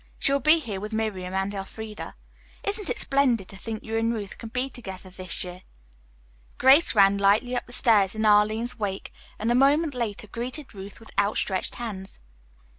She will be here with Miriam and Elfreda. Isn't it splendid to think you and Ruth can be together this year?" Grace ran lightly up the stairs in Arline's wake, and a moment later greeted Ruth with outstretched hands.